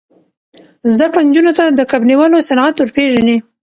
زده کړه نجونو ته د کب نیولو صنعت ور پېژني.